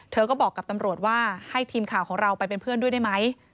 เธอก็บอกกับตำรวจว่าให้ทีมข่าวของเราไปเป็นเพื่อนด้วยได้ไหม